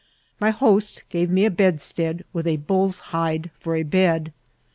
My host gave me a bedstead, with a bull's hide for a bed.